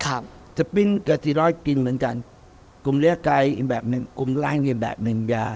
ครับสปินกับสีรอยด์กินเหมือนกันกลุ่มเลือดกายอีกแบบนึงกลุ่มร่างอีกแบบนึงยา